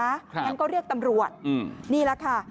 งั้นก็เรียกตำรวจนี่แหละค่ะ